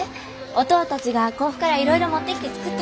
おとうたちが甲府からいろいろ持ってきて作ったの。